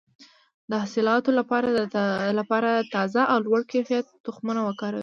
د حاصلاتو لپاره تازه او لوړ کیفیت تخمونه وکاروئ.